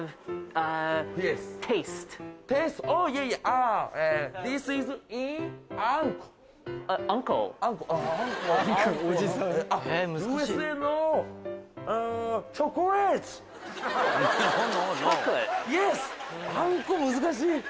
あんこ難しい。